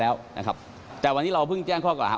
รวมถึงเมื่อวานี้ที่บิ๊กโจ๊กพาไปคุยกับแอมท์ท่านสถานหญิงกลาง